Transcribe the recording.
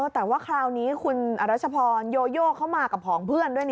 แต่ว่าคราวนี้คุณอรัชพรโยโยเข้ามากับผองเพื่อนด้วย